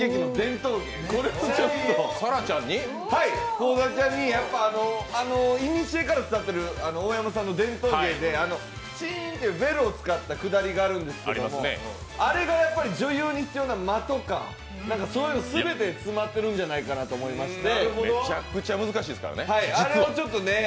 幸澤ちゃんにいにしえから伝わっている大山さんの伝統芸でチンっていうベルを使った下りがあるんですけどあれがやっぱり女優に必要な間とか、そういうの全て詰まってるんじゃないかと思いまして。